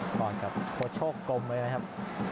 ก่อนกับโค้ชโชคกลมเลยนะครับ